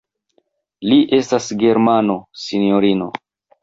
Li estas Germano, sinjorino.